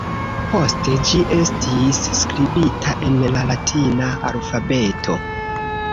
Poste ĝi estis skribita en la latina alfabeto.